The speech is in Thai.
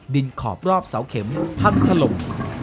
ดินขอบรอบเสาเข็มพังทะลม